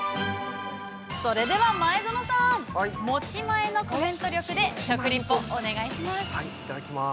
◆それでは前園さん持ち前のコメント力で食リポ、お願いします。